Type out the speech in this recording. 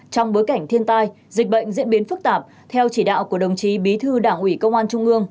trong bối cảnh thiên tai dịch bệnh diễn biến phức tạp theo chỉ đạo của đồng chí bí thư đảng ủy công an trung ương